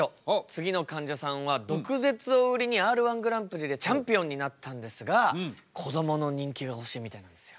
次のかんじゃさんは毒舌を売りにＲー１グランプリでチャンピオンになったんですがこどもの人気が欲しいみたいなんですよ。